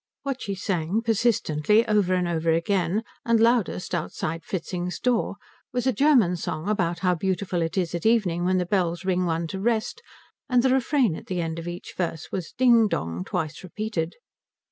What she sang, persistently, over and over again, and loudest outside Fritzing's door, was a German song about how beautiful it is at evening when the bells ring one to rest, and the refrain at the end of each verse was ding dong twice repeated.